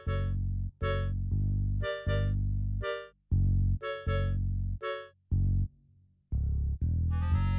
aduh ya allah